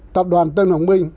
tập đoàn tân hoàng minh